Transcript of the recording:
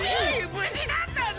無事だったの？